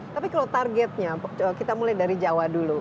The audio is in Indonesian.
tapi kalau targetnya kita mulai dari jawa dulu